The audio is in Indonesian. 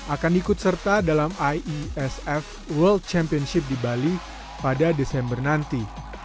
akan ikut serta dalam iesf world championship di bali pada desember nanti